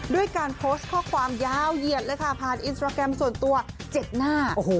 ด้วยการโพสต์ข้อความยาวเหยียดเลยค่ะผ่านอินสตราแกรมส่วนตัว๗หน้า